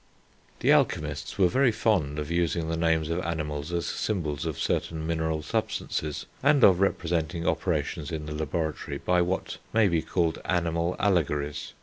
The alchemists were very fond of using the names of animals as symbols of certain mineral substances, and of representing operations in the laboratory by what may be called animal allegories.